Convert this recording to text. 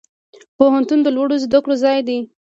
پوهنتون د لوړو زده کړو ځای دی